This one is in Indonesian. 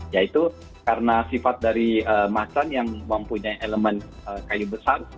yaitu karena sifat dari macan yang mempunyai elemen kayu besar